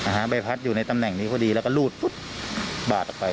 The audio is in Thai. ใบพัดอยู่ในตำแหน่งนี้พอดีแล้วก็รูดปุ๊บบาดออกไป